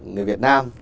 người việt nam